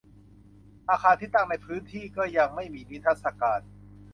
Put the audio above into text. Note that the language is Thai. อาคารที่ตั้งอยู่ในพื้นที่ก็ยังไม่มีนิทรรศการ